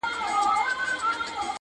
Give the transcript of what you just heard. تر منزله یې د مرګ لاره وهله -